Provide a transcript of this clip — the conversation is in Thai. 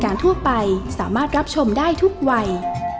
แอร์โหลดแล้วคุณล่ะโหลดแล้ว